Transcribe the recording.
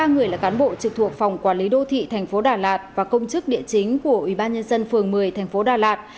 ba người là cán bộ trực thuộc phòng quản lý đô thị thành phố đà lạt và công chức địa chính của ubnd phường một mươi thành phố đà lạt